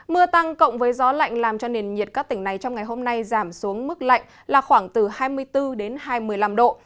mưa tăng cộng với gió lạnh làm cho nền nhiệt các tỉnh này trong ngày hôm nay giảm xuống mức lạnh là khoảng từ hai mươi bốn hai mươi năm độ